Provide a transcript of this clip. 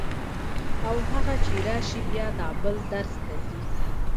او هغه چې راشي بیا دا بل درس ته ځي.